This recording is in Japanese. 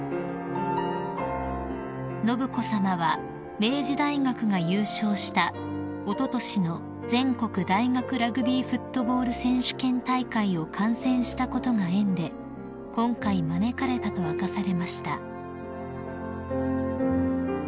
［信子さまは明治大学が優勝したおととしの全国大学ラグビーフットボール選手権大会を観戦したことが縁で今回招かれたと明かされました］